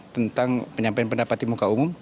tentang penyampaian pendapatan muka umum